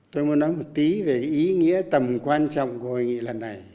tôi muốn nói một tí về ý nghĩa tầm quan trọng của hội nghị lần này